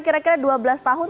kira kira dua belas tahun